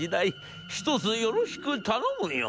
ひとつよろしく頼むよ』。